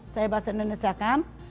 saya bahasa indonesia kan